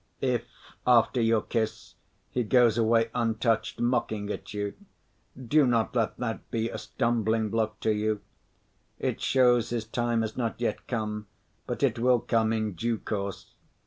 If, after your kiss, he goes away untouched, mocking at you, do not let that be a stumbling‐block to you. It shows his time has not yet come, but it will come in due course.